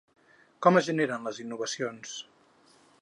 Com es generen les innovacions?